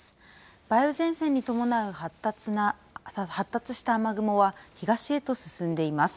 梅雨前線に伴う発達した雨雲は、東へと進んでいます。